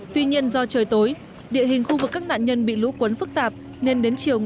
tuy nhiên do trời tối địa hình khu vực các nạn nhân bị lũ cuốn phức tạp nên đến chiều ngày một mươi ba tháng tám